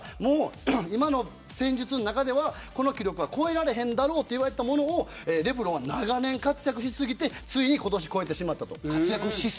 今の戦術の中ではこの記録は超えられないだろうと言われていたものをレブロンは長年活躍してついに今年超えてしまった。